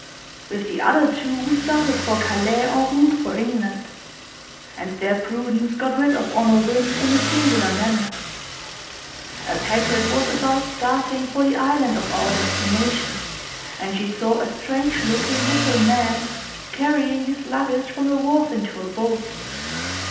With the other two we started for Calais, en route for England; and there Prudence got rid of Honorine in a singular manner. A packet was about starting for the island of our destination, and she saw a strange looking little man carrying his luggage from the wharf into a boat.